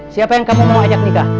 siapa yang kamu mau ajak nikah